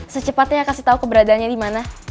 secepatnya kasih tau keberadaannya dimana